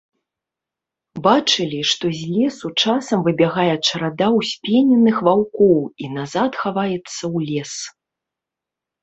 Бачылі, што з лесу часам выбягае чарада ўспененых ваўкоў і назад хаваецца ў лес.